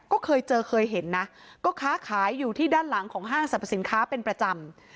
ก็เคยเจอเคยเห็นนะก็ค้าขายอยู่ที่ด้านหลังของห้างสรรพสินค้าเป็นประจำ